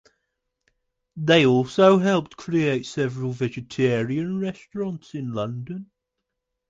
They also helped create several vegetarian restaurants in London.